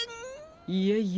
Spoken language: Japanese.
いえいえ。